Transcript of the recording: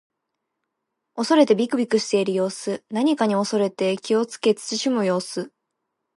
恐れてびくびくしている様子。何かに恐れて気をつけ慎む様子。